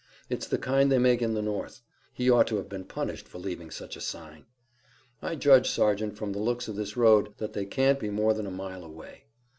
It's the kind they make in the North. He ought to have been punished for leaving such a sign." "I judge, Sergeant, from the looks of this road, that they can't now be more than a mile away."